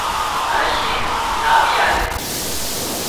هر شيز لاوِي آلي سي